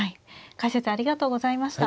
解説ありがとうございました。